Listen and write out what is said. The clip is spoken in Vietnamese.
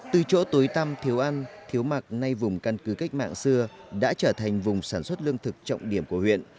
từ chỗ tối tâm thiếu ăn thiếu mặc nay vùng căn cứ cách mạng xưa đã trở thành vùng sản xuất lương thực trọng điểm của huyện